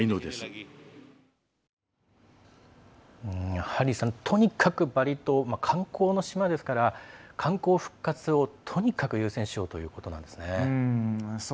やはり、とにかくバリ島観光の島ですから観光復活をとにかく優先しようということなんですね。